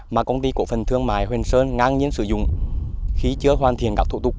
mà công ty cổ phần thương mại hoành sơn ngang nhiên sử dụng khi chưa hoàn thiện các thủ tục